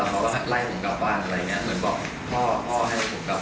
แล้วได้คุยอย่างนั้นจริงไหม